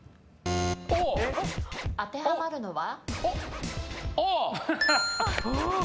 当てはまるのは？